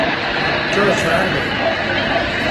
چھو ڄھار بہ۔